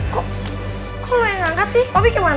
kok lo yang angkat sih papi kemana